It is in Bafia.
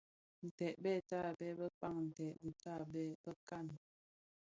Ntèd bè tabèè bëkpaň nted dhi tabèè bëkan.